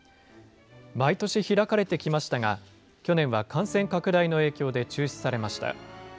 毎年開かれてきましたが、去年は感染拡大の影響で中止されました。